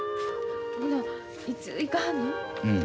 ほないつ行かはんの？